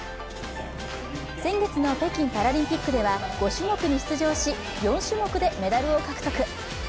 先月の北京パラリンピックでは５種目に出場し４種目でメダルを獲得。